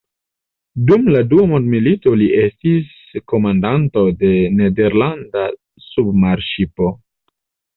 Dum la Dua Mondmilito li estis komandanto de nederlanda submarŝipo.